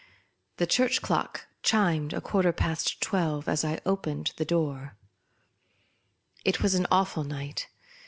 The church clock chimed a quarter past twelve as I opened the door. It was an awful night.